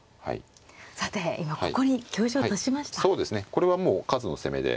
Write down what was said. これはもう数の攻めで。